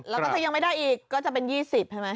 แล้วก็ถ้ายังไม่ได้อีกก็จะเป็น๒๐ใช่ไหม